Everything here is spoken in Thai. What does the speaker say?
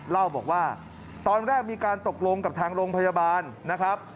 เล่าบอกว่าตอนแรกมีการตกลงกับทางโรงพยาบาลนะครับ